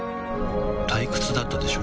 退屈だったでしょう？